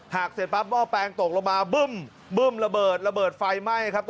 เสร็จปั๊บหม้อแปลงตกลงมาบึ้มบึ้มระเบิดระเบิดไฟไหม้ครับ